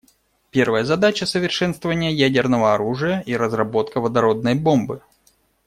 Первая задача — совершенствование ядерного оружия и разработка водородной бомбы.